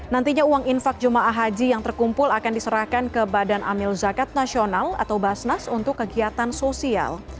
nantinya uang infak jemaah haji yang terkumpul akan diserahkan ke badan amil zakat nasional atau basnas untuk kegiatan sosial